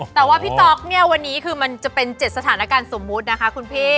แต่ว่าพี่ต๊อกเนี่ยวันนี้คือมันจะเป็น๗สถานการณ์สมมุตินะคะคุณพี่